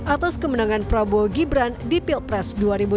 atas kemenangan prabowo gibran di pilpres dua ribu dua puluh